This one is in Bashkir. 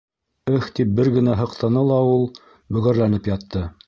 Ыһ тип бер генә һыҡтаны ла ул бөгәрләнеп ятты.